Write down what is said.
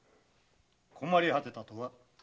困り果てたとは？